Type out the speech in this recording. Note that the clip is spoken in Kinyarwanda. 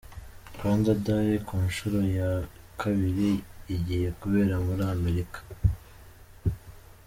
Rwanda Dayi ku nshuro ya kabiri igiye kubera muri Amerika